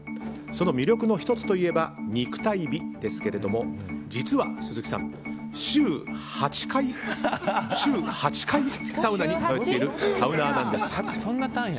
その魅力の１つといえば肉体美ですけれども実は鈴木さん、週８回サウナに通っているサウナーなんです。